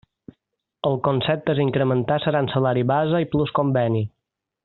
Els conceptes a incrementar seran salari base i plus conveni.